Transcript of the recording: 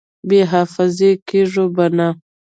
بې حافظې کېږو به نه!